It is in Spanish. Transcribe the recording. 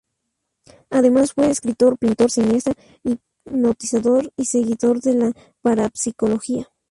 Además, fue escritor, pintor, cineasta, hipnotizador y seguidor de la parapsicología.